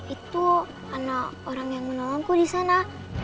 itu ada orang yang menolongku disana